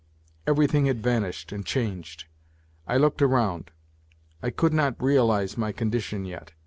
. everything had vanished and changed ! I looked round. I could not realize my condition yet.